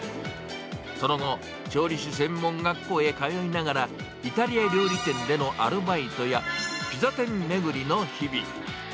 その後、調理師専門学校へ通いながら、イタリア料理店でのアルバイトや、ピザ店巡りの日々。